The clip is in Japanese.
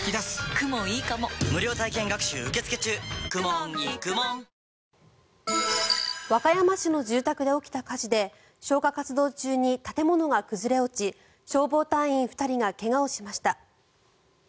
アンジュさん、洗濯物を和歌山市の住宅で起きた火事で消火活動中に建物が崩れ落ち消防隊員２人が怪我をしました。